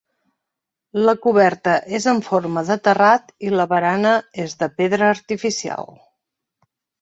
La coberta és en forma de terrat i la barana és de pedra artificial.